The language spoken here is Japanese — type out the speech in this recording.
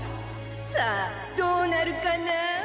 さあどうなるかな？